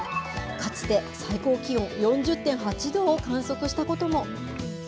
かつて最高気温４０．８度を観測したことも。